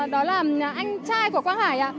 đó là anh trai của quang hải